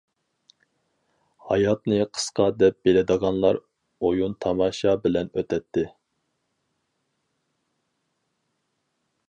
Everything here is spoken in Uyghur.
ھاياتنى قىسقا دەپ بىلىدىغانلار ئويۇن تاماشا بىلەن ئۆتەتتى.